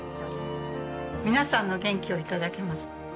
皆さんの元気を頂きます。